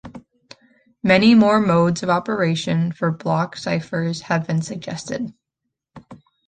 Many more modes of operation for block ciphers have been suggested.